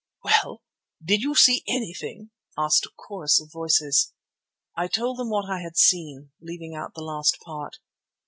"Well, did you see anything?" asked a chorus of voices. I told them what I had seen, leaving out the last part.